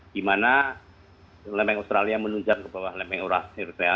di mana lempeng australia menunjang ke bawah lempeng ora